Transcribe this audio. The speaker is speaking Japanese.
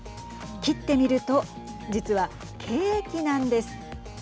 切ってみると、実はケーキなんです。